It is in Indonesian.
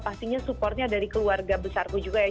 pastinya supportnya dari keluarga besarku juga ya